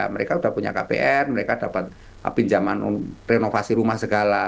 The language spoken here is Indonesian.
mereka sudah punya kpn mereka dapat pinjaman renovasi rumah segala